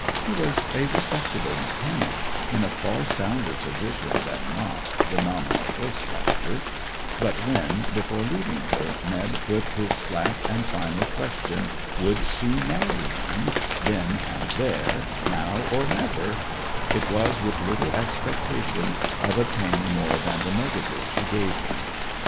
He was a respectable mechanic, in a far sounder position than Mop the nominal horse doctor; but when, before leaving her, Ned put his flat and final question, would she marry him, then and there, now or never, it was with little expectation of obtaining more than the negative she gave him.